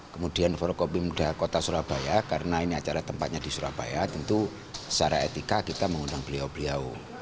kemudian forkopimda kota surabaya karena ini acara tempatnya di surabaya tentu secara etika kita mengundang beliau beliau